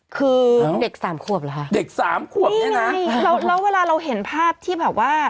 คือเด็กสามควบเหรอค่ะนี่ไงแล้วเวลาเราเห็นภาพที่แบบว่า